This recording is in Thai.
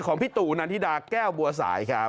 พี่ตู่นันทิดาแก้วบัวสายครับ